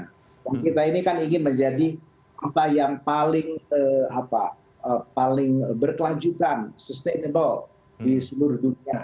dan kita ini kan ingin menjadi kota yang paling berkelanjutan sustainable di seluruh dunia